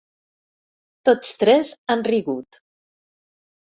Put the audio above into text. Tots tres han rigut.